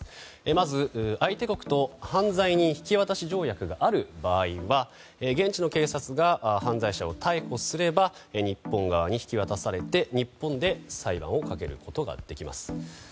まず相手国と犯罪人引渡条約がある場合は現地の警察が犯罪者を逮捕すれば日本側に引き渡されて、日本で裁判をかけることができます。